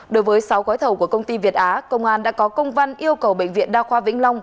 đối với sáu gói thầu của công ty việt á công an đã có công văn yêu cầu bệnh viện đa khoa vĩnh long